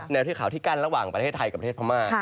เทือกขาวที่กั้นระหว่างประเทศไทยกับประเทศพม่า